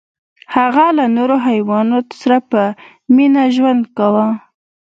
هغه له نورو حیواناتو سره په مینه ژوند کاوه.